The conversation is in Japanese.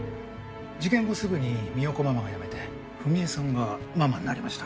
事件後すぐに三代子ママが辞めて史江さんがママになりました。